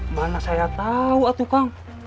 mana saya tau atuh kang